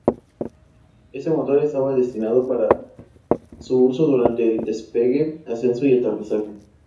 Este motor estaba destinado para su uso durante el despegue, ascenso y aterrizaje.